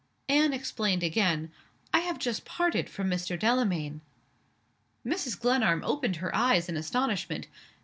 Anne explained again. "I have just parted from Mr. Delamayn." Mrs. Glenarm opened her eyes in astonishment.